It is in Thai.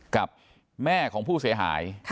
กับแม่ของผู้เสียหาย